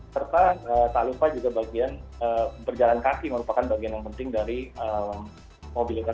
serta tak lupa juga bagian berjalan kaki merupakan bagian yang penting dari mobilitas